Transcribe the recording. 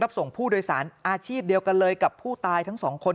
ส่งผู้โดยสารอาชีพเดียวกันเลยกับผู้ตายทั้งสองคน